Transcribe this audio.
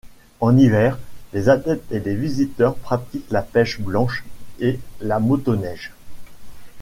En hiver, les adeptes et les visiteurs pratiquent la pêche blanche et la motoneige.